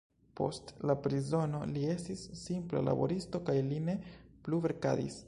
Post la prizono li estis simpla laboristo kaj li ne plu verkadis.